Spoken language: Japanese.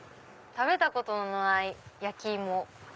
食べたことのない焼き芋。